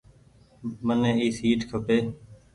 مني اي سيٽ کپي۔